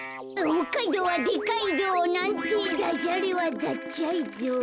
ほっかいどうはでっかいどう。なんてダジャレはダッチャイどう。